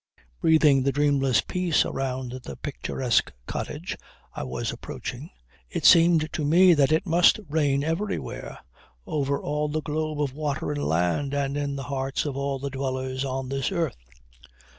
Breathing the dreamless peace around the picturesque cottage I was approaching, it seemed to me that it must reign everywhere, over all the globe of water and land and in the hearts of all the dwellers on this earth.